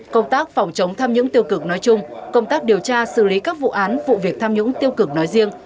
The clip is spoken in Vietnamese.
công tác phòng chống tham nhũng tiêu cực nói chung công tác điều tra xử lý các vụ án vụ việc tham nhũng tiêu cực nói riêng